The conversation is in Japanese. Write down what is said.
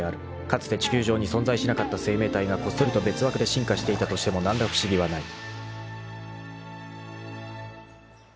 ［かつて地球上に存在しなかった生命体がこっそりと別枠で進化していたとしても何ら不思議はない］